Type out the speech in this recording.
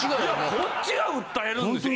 こっちが訴えるんですよ。